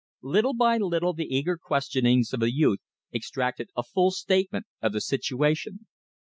Little by little the eager questionings of the youth extracted a full statement of the situation.